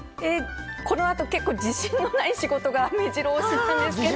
この後、結構自信のない仕事が目白押しなんですけど。